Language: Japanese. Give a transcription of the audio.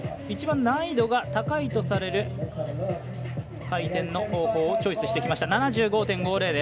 一番、難易度が高いとされる回転の方法をチョイスしてきました。